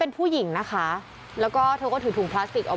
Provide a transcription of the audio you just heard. เป็นพระรูปนี้เหมือนเคี้ยวเหมือนกำลังทำปากขมิบท่องกระถาอะไรสักอย่าง